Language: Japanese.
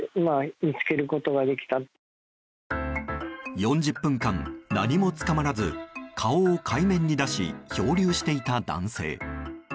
４０分間、何もつかまらず顔を海面に出し漂流していた男性。